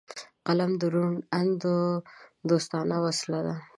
قلم د روڼ اندو دوستانه وسله ده